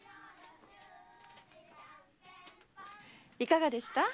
いかがでした？